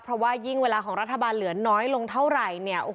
เพราะว่ายิ่งเวลาของรัฐบาลเหลือน้อยลงเท่าไหร่เนี่ย